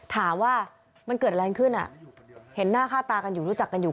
ถามว่ามันเกิดอะไรขึ้นอ่ะเห็นหน้าค่าตากันอยู่รู้จักกันอยู่